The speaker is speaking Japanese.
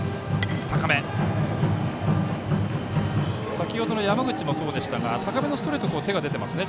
先ほどの山口もそうでしたが高めのストレートに手が出ていますよね